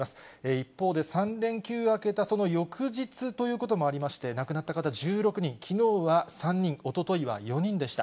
一方で、３連休明けの翌日ということもありまして、亡くなった方１６人、きのうは３人、おとといは４人でした。